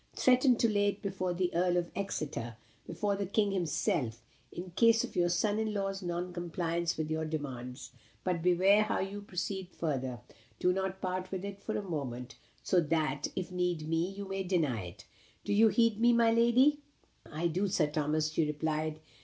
Threaten to lay it before the Earl of Exeter before the King himself in case of our son in law's non compliance with your demands. But beware how you proceed further. Do not part with it for a moment; so that, if need be, you may destroy it. Do you heed me, my lady?" "I do, Sir Thomas," she replied.